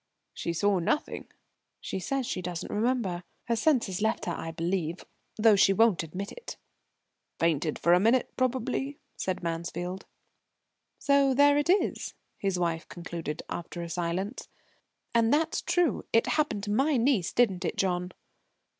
"She saw nothing?" "She says she doesn't remember. Her senses left her, I believe though she won't admit it." "Fainted for a minute, probably," said Mansfield. "So there it is," his wife concluded, after a silence. "And that's true. It happened to my niece, didn't it, John?"